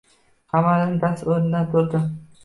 Qamariddin dast o‘rnidan turdi